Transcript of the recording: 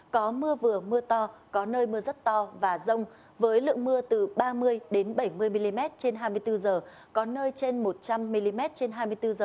có mưa vừa mưa to có nơi mưa rất to và rông với lượng mưa từ ba mươi bảy mươi mm trên hai mươi bốn h có nơi trên một trăm linh mm trên hai mươi bốn h